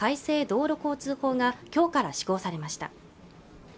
道路交通法が今日から施行されました